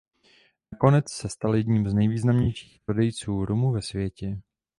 Nakonec se stal jedním z nejvýznamnějších prodejců rumu ve světě.